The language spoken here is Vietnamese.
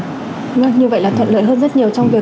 như vậy là thuận lợi hơn rất nhiều